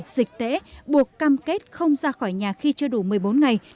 dịch tễ buộc cam kết không ra khỏi nhà khi chưa đủ một mươi bốn ngày